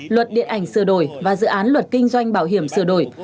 luật điện ảnh sửa đổi và dự án luật kinh doanh bảo hiểm sửa đổi